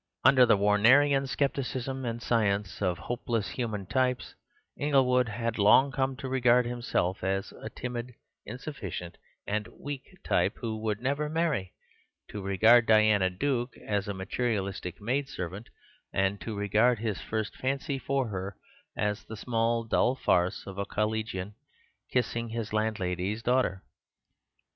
Under the Warnerian scepticism and science of hopeless human types, Inglewood had long come to regard himself as a timid, insufficient, and "weak" type, who would never marry; to regard Diana Duke as a materialistic maidservant; and to regard his first fancy for her as the small, dull farce of a collegian kissing his landlady's daughter.